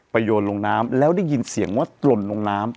โยนลงน้ำแล้วได้ยินเสียงว่าหล่นลงน้ำ